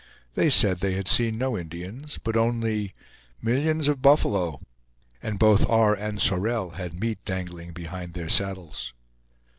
They said they had seen no Indians, but only "millions of buffalo"; and both R. and Sorel had meat dangling behind their saddles.